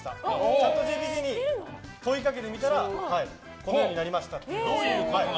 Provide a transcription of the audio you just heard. チャットＧＰＴに問いかけてみたらこのようになりました。